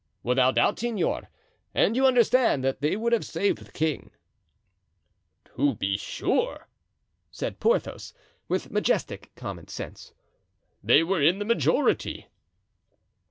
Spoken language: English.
"Without doubt, senor; and you understand that they would have saved the king." "To be sure," said Porthos, with majestic common sense; "they were in the majority."